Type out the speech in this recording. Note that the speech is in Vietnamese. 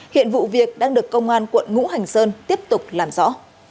hiện vụ việc đang được công an quận ngũ hành sơn tiếp tục làm rõ